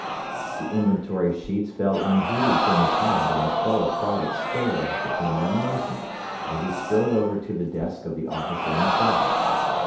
The inventory sheets fell unheeded from his hand, and his fellow private stared after him in amazement as he strode over to the desk of the officer in charge.